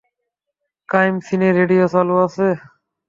Crime সিনের radio চালু আছে।